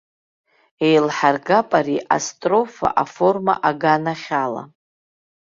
Елҳаргап ари астрофа аформа аганахьала.